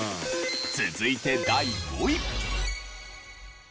続いて第５位。